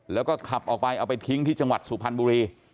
แล้วก็ขับออกไปเอาไปทิ้งที่จังหวัดสุพรรณบุรี